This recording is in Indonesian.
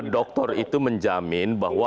dokter itu menjamin bahwa